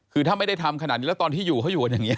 คือถ้าไม่ได้ทำขนาดนี้แล้วตอนที่อยู่เขาอยู่กันอย่างนี้